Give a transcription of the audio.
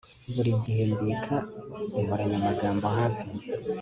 Buri gihe mbika inkoranyamagambo hafi